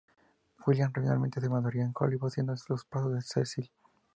William finalmente se mudaría a Hollywood siguiendo los pasos de Cecil.